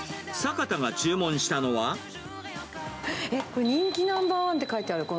えっ、これ、人気ナンバーワンって書いてある。